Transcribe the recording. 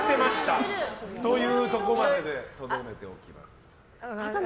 というところまででとどめておきます。